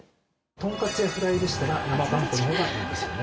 トンカツやフライでしたら生パン粉の方がいいですよね。